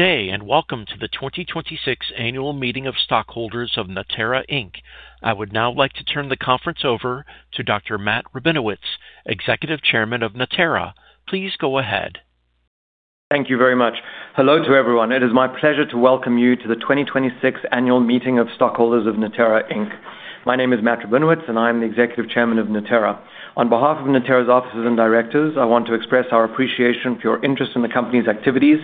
Good day, welcome to the 2026 Annual Meeting of Stockholders of Natera, Inc. I would now like to turn the conference over to Dr. Matt Rabinowitz, Executive Chairman of Natera. Please go ahead. Thank you very much. Hello to everyone. It is my pleasure to welcome you to the 2026 Annual Meeting of Stockholders of Natera, Inc. My name is Matt Rabinowitz, I am the Executive Chairman of Natera. On behalf of Natera's offices and directors, I want to express our appreciation for your interest in the company's activities,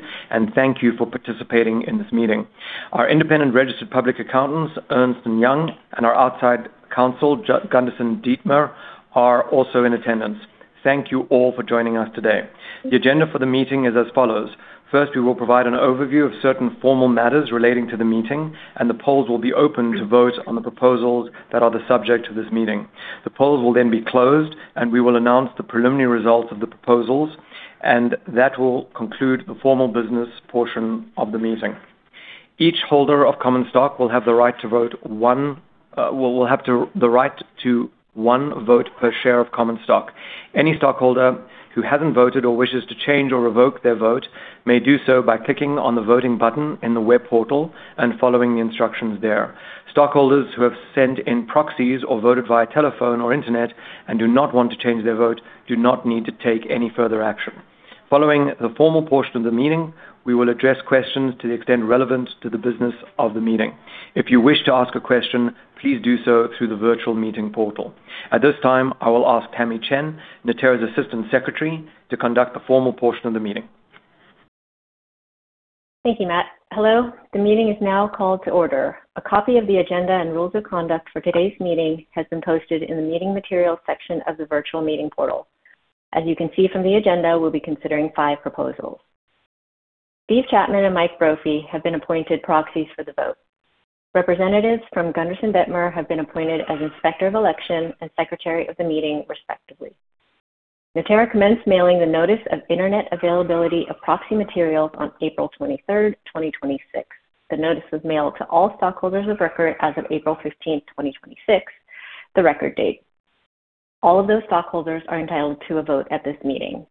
thank you for participating in this meeting. Our independent registered public accountants, Ernst & Young, and our outside counsel, Gunderson Dettmer, are also in attendance. Thank you all for joining us today. The agenda for the meeting is as follows. First, we will provide an overview of certain formal matters relating to the meeting, the polls will be open to vote on the proposals that are the subject of this meeting. The polls will then be closed, we will announce the preliminary results of the proposals, that will conclude the formal business portion of the meeting. Each holder of common stock will have the right to one vote per share of common stock. Any stockholder who hasn't voted or wishes to change or revoke their vote may do so by clicking on the voting button in the web portal and following the instructions there. Stockholders who have sent in proxies or voted via telephone or internet and do not want to change their vote do not need to take any further action. Following the formal portion of the meeting, we will address questions to the extent relevant to the business of the meeting. If you wish to ask a question, please do so through the virtual meeting portal. At this time, I will ask Tami Chen, Natera's Assistant Secretary, to conduct the formal portion of the meeting. Thank you, Matthew. Hello. The meeting is now called to order. A copy of the agenda and rules of conduct for today's meeting has been posted in the meeting materials section of the virtual meeting portal. As you can see from the agenda, we'll be considering five proposals. Steve Chapman and Mike Brophy have been appointed proxies for the vote. Representatives from Gunderson Dettmer have been appointed as Inspector of Election and Secretary of the meeting respectively. Natera commenced mailing the notice of internet availability of proxy materials on April 23, 2026. The notice was mailed to all stockholders of record as of April 15, 2026, the record date. All of those stockholders are entitled to a vote at this meeting.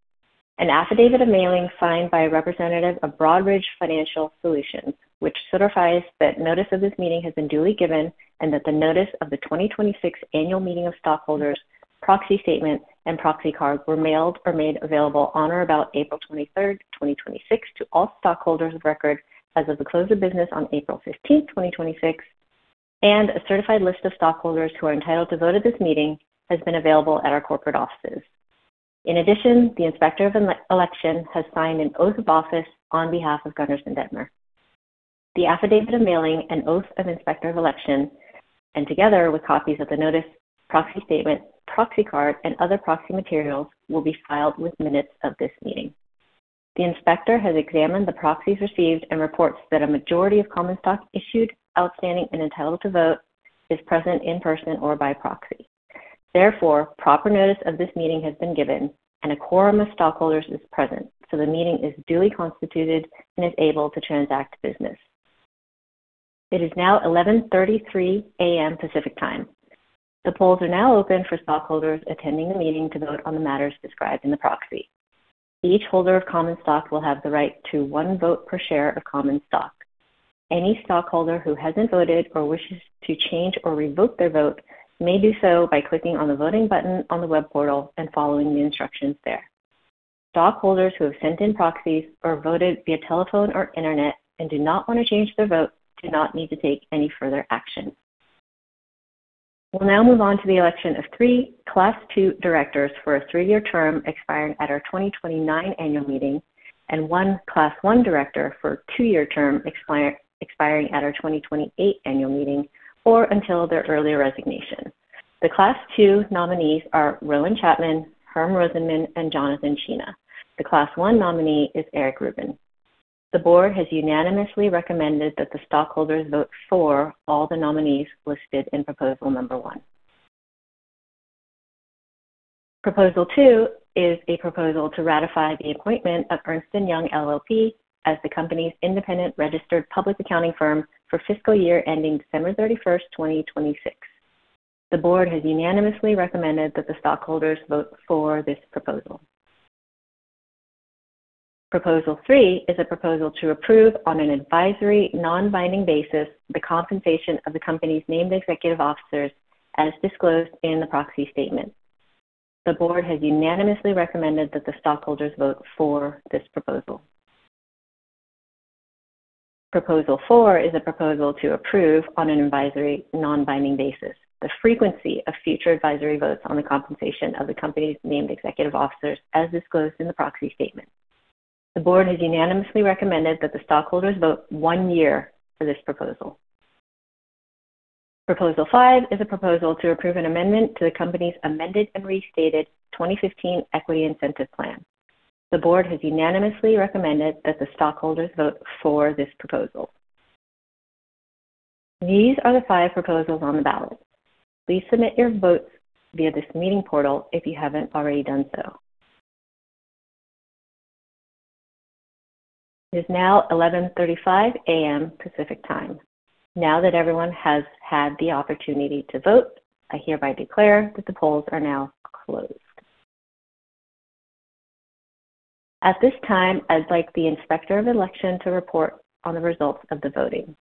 An affidavit of mailing signed by a representative of Broadridge Financial Solutions, which certifies that notice of this meeting has been duly given, and that the notice of the 2026 Annual Meeting of Stockholders proxy statement and proxy cards were mailed or made available on or about April 23, 2026, to all stockholders of record as of the close of business on April 15, 2026, and a certified list of stockholders who are entitled to vote at this meeting has been available at our corporate offices. In addition, the Inspector of Election has signed an oath of office on behalf of Gunderson Dettmer. The affidavit of mailing and oath of Inspector of Election, together with copies of the notice, proxy statement, proxy card, and other proxy materials, will be filed with minutes of this meeting. The inspector has examined the proxies received and reports that a majority of common stock issued, outstanding, and entitled to vote is present in person or by proxy. Therefore, proper notice of this meeting has been given, and a quorum of stockholders is present, so the meeting is duly constituted and is able to transact business. It is now 11:33 A.M. Pacific Time. The polls are now open for stockholders attending the meeting to vote on the matters described in the proxy. Each holder of common stock will have the right to one vote per share of common stock. Any stockholder who hasn't voted or wishes to change or revoke their vote may do so by clicking on the voting button on the web portal and following the instructions there. Stockholders who have sent in proxies or voted via telephone or internet and do not want to change their vote do not need to take any further action. We'll now move on to the election of three Class II directors for a three-year term expiring at our 2029 annual meeting, and one Class I director for a two-year term expiring at our 2028 annual meeting, or until their earlier resignation. The Class II nominees are Rowan Chapman, Herm Rosenman, and Jonathan Sheena. The Class I nominee is Eric Rubin. The board has unanimously recommended that the stockholders vote for all the nominees listed in proposal number one. Proposal two is a proposal to ratify the appointment of Ernst & Young LLP as the company's independent registered public accounting firm for fiscal year ending December 31, 2026. The board has unanimously recommended that the stockholders vote for this proposal. Proposal three is a proposal to approve, on an advisory, non-binding basis, the compensation of the company's named executive officers as disclosed in the proxy statement. The board has unanimously recommended that the stockholders vote for this proposal. Proposal four is a proposal to approve, on an advisory, non-binding basis, the frequency of future advisory votes on the compensation of the company's named executive officers as disclosed in the proxy statement. The board has unanimously recommended that the stockholders vote one year for this proposal. Proposal five is a proposal to approve an amendment to the company's amended and restated 2015 Equity Incentive Plan. The board has unanimously recommended that the stockholders vote for this proposal. These are the five proposals on the ballot. Please submit your votes via this meeting portal if you haven't already done so. It is now 11:35 A.M. Pacific Time. Now that everyone has had the opportunity to vote, I hereby declare that the polls are now closed. At this time, I'd like the Inspector of Election to report on the results of the voting.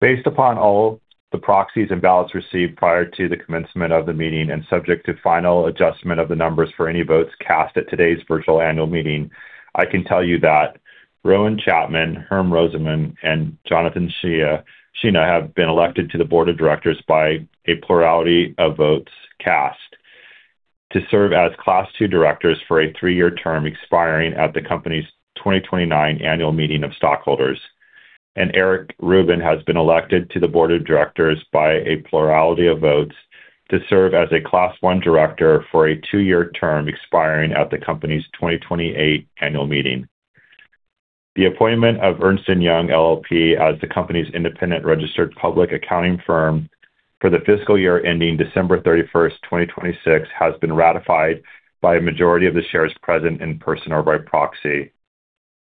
Based upon all the proxies and ballots received prior to the commencement of the meeting and subject to final adjustment of the numbers for any votes cast at today's virtual annual meeting, I can tell you that Rowan Chapman, Herm Rosenman, and Jonathan Sheena have been elected to the Board of Directors by a plurality of votes cast to serve as Class II directors for a three-year term expiring at the company's 2029 annual meeting of stockholders. Eric Rubin has been elected to the Board of Directors by a plurality of votes to serve as a Class I director for a two-year term expiring at the company's 2028 annual meeting. The appointment of Ernst & Young LLP as the company's independent registered public accounting firm for the fiscal year ending December 31, 2026, has been ratified by a majority of the shares present in person or by proxy.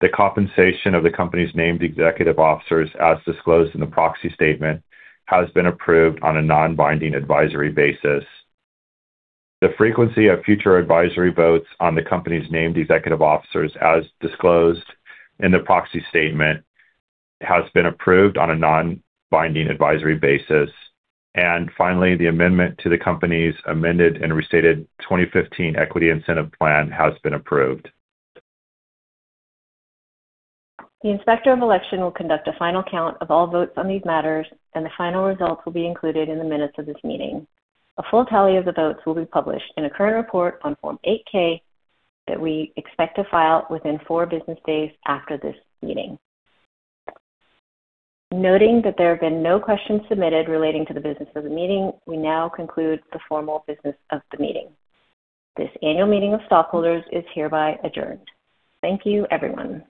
The compensation of the company's named executive officers, as disclosed in the proxy statement, has been approved on a non-binding advisory basis. The frequency of future advisory votes on the company's named executive officers, as disclosed in the proxy statement, has been approved on a non-binding advisory basis. Finally, the amendment to the company's amended and restated 2015 Equity Incentive Plan has been approved. The Inspector of Election will conduct a final count of all votes on these matters, and the final results will be included in the minutes of this meeting. A full tally of the votes will be published in a current report on Form 8-K that we expect to file within four business days after this meeting. Noting that there have been no questions submitted relating to the business of the meeting, we now conclude the formal business of the meeting. This annual meeting of stockholders is hereby adjourned. Thank you, everyone.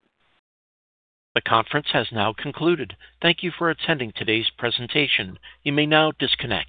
The conference has now concluded. Thank you for attending today's presentation. You may now disconnect.